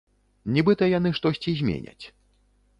Нібыта яны штосьці зменяць.